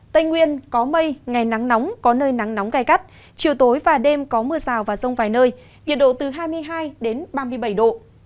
tây nguyên có mây ngày nắng nóng có nơi nắng nóng gai gắt chiều tối và đêm có mưa rào và rông vài nơi nhiệt độ từ hai mươi hai ba mươi bảy độ